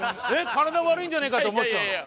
体悪いんじゃねえかって思っちゃう。